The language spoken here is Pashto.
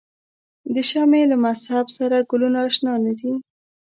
د شمعې له مذهب سره ګلونه آشنا نه دي.